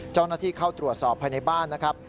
เจ้าหน้าที่เข้าตรวจสอบภายในบ้านนะครับ